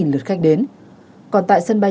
lượt khách đến còn tại sân bay